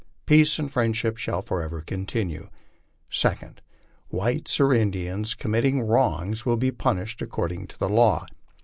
Peace and friendship shall forever continue. Second. Whites or Indians committing wrongs to be punished according to law.